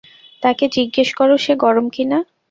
তাকে জিজ্ঞেস কর সে গরম কিনা।